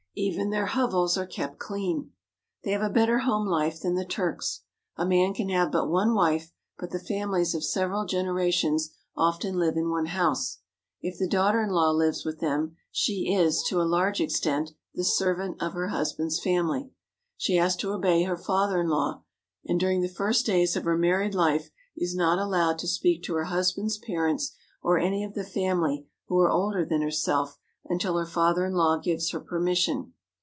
Even their hovels are kept clean. They have a better home life than the Turks. A man can have but one wife, but the families of several gene rations often live in one house. If the daughter in law lives with them, she is, to a large extent, the servant of her husband's family. She has to obey her father in law, and during the first days of her married life is not allowed to speak to her husband's parents or any of the family who are older than herself until her father in law gives her permission.